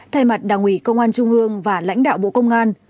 thay mặt đảng ủy công an trung ương và lãnh đạo bộ công an